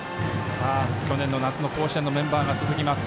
去年の夏の甲子園のメンバーが続きます。